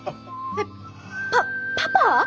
えっパパパ？